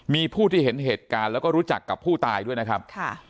มีผู้ที่เห็นเหตุการณ์แล้วก็รู้จักกับผู้ตายด้วยนะครับ